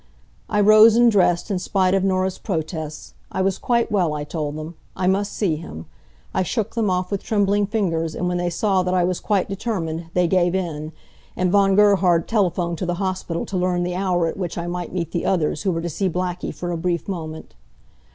I rose and dressed, in spite of Norah's protests. I was quite well, I told them. I must see him. I shook them off with trembling fingers and when they saw that I was quite determined they gave in, and Von Gerhard telephoned to the hospital to learn the hour at which I might meet the others who were to see Blackie for a brief moment.